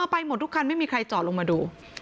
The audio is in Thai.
ไปหมดทุกคันไม่มีใครจอดลงมาดู